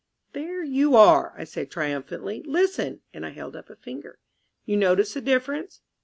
"There you are!" I said triumphantly. "Listen," and I held up a finger. "You notice the difference?